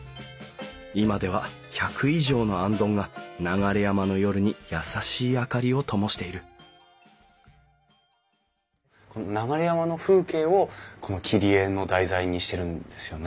今では１００以上の行灯が流山の夜に優しい明かりをともしている流山の風景を切り絵の題材にしてるんですよね。